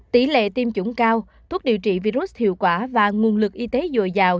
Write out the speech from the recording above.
tỷ lệ tiêm chủng cao thuốc điều trị virus hiệu quả và nguồn lực y tế dồi dào